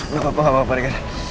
gak apa apa pak regar